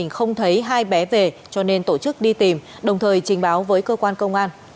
không thấy hai bé về cho nên tổ chức đi tìm đồng thời trình báo với cơ quan công an